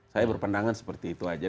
saya berpendangan seperti itu aja